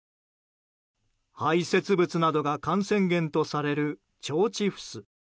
排せつ物などが感染源とされる腸チフス。